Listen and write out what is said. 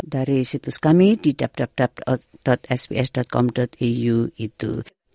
dari situs kami di www sbs com au itu